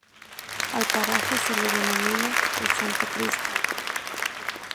Al paraje se le denomina 'El Santo Cristo'.